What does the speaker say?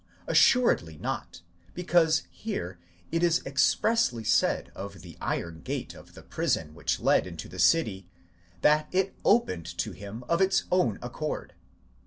Assuredly not; because here it is expressly said of the iron gate of the prison which led into the city, that it opened to him of its own accord (vy.